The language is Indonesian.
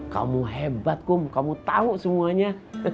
kamu hebat kum kamu tahu semuanya